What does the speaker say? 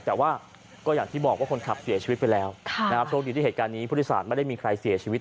แต่ว่าก็อย่างที่บอกว่าคนขับเสียชีวิตไปแล้วโชคดีที่เหตุการณ์นี้ผู้โดยสารไม่ได้มีใครเสียชีวิต